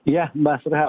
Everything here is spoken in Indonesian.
iya mbak serhat